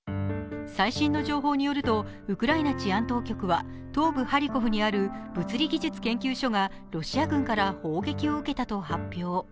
最新の情報によるとウクライナ治安当局は東部ハリコフにある物理技術研究所がロシア軍から砲撃を受けたと発表。